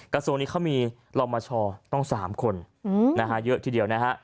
กระทรวงนี้เขามีลมชต้อง๓คนนะฮะเยอะทีเดียวนะฮะ